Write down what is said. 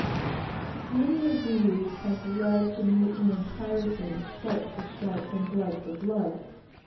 Many of these have led to mutiny and piracy, stripe for stripe, and blood for blood.